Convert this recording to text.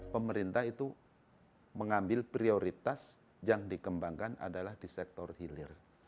pemerintah itu mengambil prioritas yang dikembangkan adalah di sektor hilir